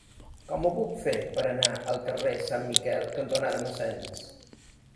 Com ho puc fer per anar al carrer Sant Miquel cantonada Massens?